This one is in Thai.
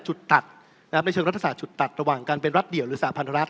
ตัดในเชิงรัฐศาสตร์จุดตัดระหว่างการเป็นรัฐเดี่ยวหรือสาพันธรัฐ